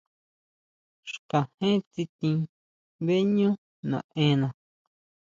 Xkajén tsitin beʼñú naʼena.